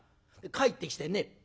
帰ってきてね